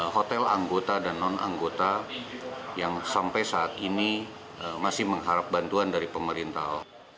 hotel anggota dan non anggota yang sampai saat ini masih mengharap bantuan dari pemerintah